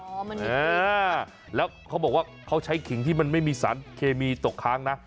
อ๋อมันมีขิงค่ะแล้วเขาบอกว่าเขาใช้ขิงที่มันไม่มีสันเคมีตกค้างนะ